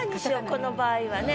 この場合はね。